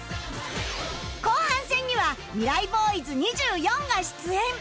後半戦にはミライ Ｂｏｙｓ２４ が出演